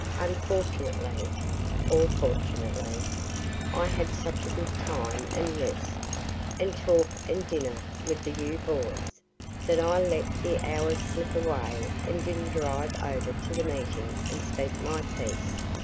Unfortunately, (or fortunately,) I had such a good time and rest, and talk and dinner, with the U. boys, that I let the hours slip away and didn't drive over to the meeting and speak my piece.